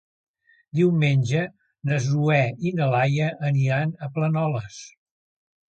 Diumenge na Zoè i na Laia aniran a Planoles.